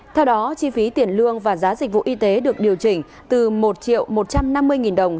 theo đó chi phí tiền lương và giá dịch vụ y tế được điều chỉnh từ một triệu một trăm năm mươi nghìn đồng